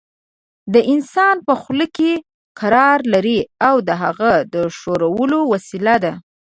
د انسان په خوله کې قرار لري او د هغه د ښورولو وسیله ده.